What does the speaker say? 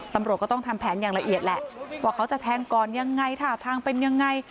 ตำรวจก็ต้องทำแผนอย่างละเอียดแหละว่าเขาจะแทงก่อนยังไงท่าทางเป็นยังไง